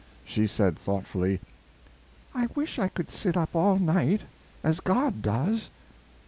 She said, thoughtfully: "I wish I could sit up all night, as God does."